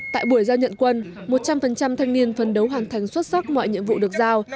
tại buổi giao nhận quân một trăm linh thanh niên phân đấu hoàn thành xuất sắc mọi nhiệm vụ được giao